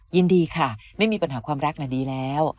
ยินดีค่ะไม่มีปัญหาความรักน่ะดีแล้ว